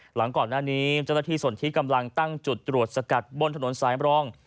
หลังก่อนหน้านี้เจ้าหน้าที่ส่วนที่กำลังตั้งจุดตรวจสกัดบนถนนสายมรอง